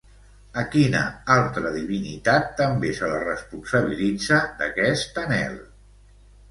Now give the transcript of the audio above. A quina altra divinitat també se la responsabilitza d'aquest anhel?